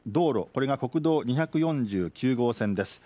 これが国道２４９号線です。